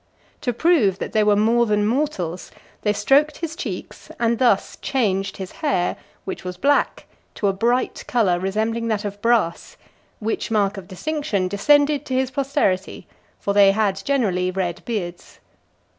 To prove that they were more than mortals, they stroked his cheeks, and thus changed his hair, which was black, to a bright colour, resembling that of brass; which mark of distinction descended to his posterity, for they had generally red beards.